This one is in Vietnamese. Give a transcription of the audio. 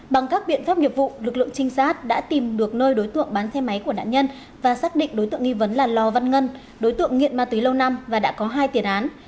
bằng các biện pháp nghiệp vụ lực lượng trinh sát đã tìm được nơi đối tượng bán xe máy của nạn nhân và xác định đối tượng nghi vấn là lò văn ngân đối tượng nghiện ma túy lâu năm và đã có hai tiền án